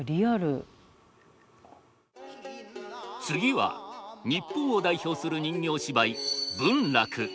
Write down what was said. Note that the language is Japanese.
次は日本を代表する人形芝居文楽。